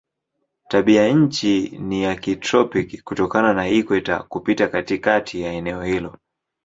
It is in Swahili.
Tabianchi ni ya kitropiki kutokana na ikweta kupita katikati ya eneo hilo.